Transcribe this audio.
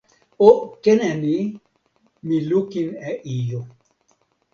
o ken e ni: mi lukin e ijo.